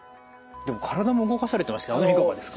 でも体も動かされてますけどあの辺いかがですか？